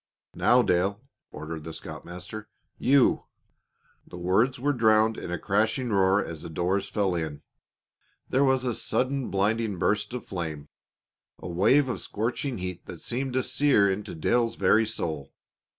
"Now, Dale," ordered the scoutmaster. "You " The words were drowned in a crashing roar as the doors fell in. There was a sudden, blinding burst of flame, a wave of scorching heat that seemed to sear into Dale's very soul.